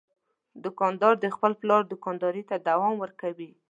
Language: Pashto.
دوکاندار د خپل پلار دوکانداري ته دوام ورکوي.